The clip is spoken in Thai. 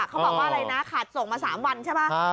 เขาบอกว่าอะไรนะขาดส่งมา๓วันใช่ไหม